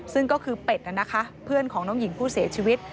ซึ่งก็คือเป็ดนะคะเพื่อนของน้องหญิงผู้เสียชีวิต